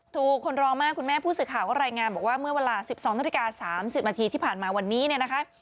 คนรอมากคุณแม่ผู้สื่อข่าวก็รายงานบอกว่าเมื่อเวลา๑๒นาฬิกา๓๐นาทีที่ผ่านมาวันนี้เนี่ยนะคะ